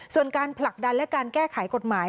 ส่วนการผลักดันและการแก้ไขกฎหมาย